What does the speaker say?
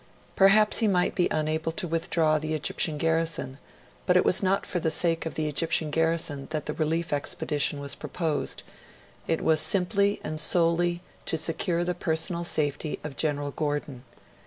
Perhaps he might be unable to withdraw the Egyptian garrison, but it was not for the sake of the Egyptian garrison that the relief expedition was proposed; it was simply and solely to secure the personal safety of General Gordon.